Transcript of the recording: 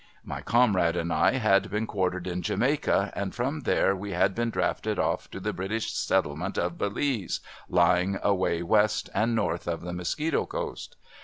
My comrade and I had been quartered in Jamaica, and from there we had been drafted off to the British settlement of Belize, lying away West and North of the Mosquito coast.